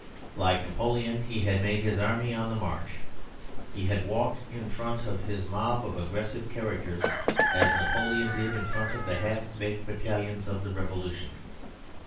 Like Napoleon, he had made his army on the march. He had walked in front of his mob of aggressive characters as Napoleon did in front of the half baked battalions of the Revolution.